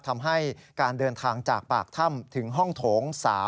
ทำให้การเดินทางจากปากถ้ำถึงห้องโถง๓